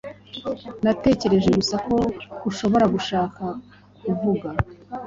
Natekereje gusa ko ushobora gushaka kuvuga.